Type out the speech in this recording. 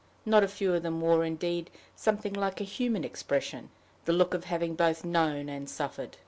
Not a few of them wore, indeed, something like a human expression, the look of having both known and suffered.